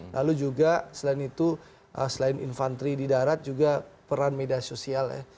lalu juga selain itu selain infanteri di darat juga peran media sosial ya